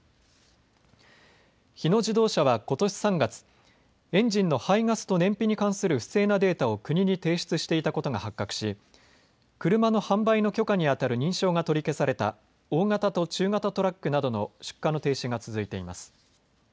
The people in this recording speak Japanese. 日野自動車はことし３月、エンジンの排ガスと燃費に関する不正なデータを国に提出していたことが発覚し車の販売の許可にあたる認証が取り消された大型と中型トラックなどの出荷の停止が続いています。